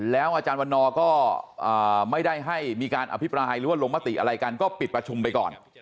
แล้วอาจารย์วันนอร์ก็ไม่ได้ให้มีการอภิปรายหรือว่าลงมติอะไรกันก็ปิดประชุมไปก่อน